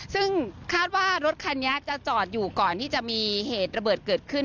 ซึ่งคาดว่ารถคันนี้จะจอดอยู่ก่อนที่จะมีเหตุระเบิดเกิดขึ้น